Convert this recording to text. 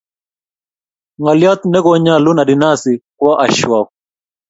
ngaliot ne ko nyalun adinasi kwo shwau